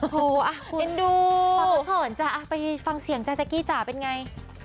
โถเอาคุณฟังก่อนจ้าไปฟังเสียงจ้าแจ๊กกี้จ้าเป็นไง